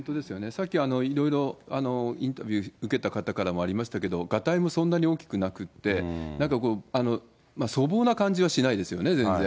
さっき、いろいろインタビュー受けた方からもありましたけど、がたいもそんなに大きくなくて、なんかこう、粗暴な感じはしないですよね、全然。